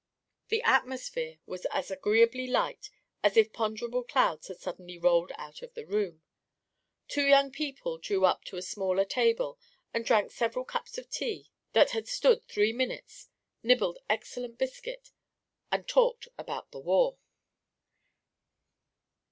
The atmosphere was as agreeably light as if ponderable clouds had suddenly rolled out of the room. Two young people drew up to a smaller table and drank several cups of tea that had stood three minutes, nibbled excellent biscuit, and talked about the War.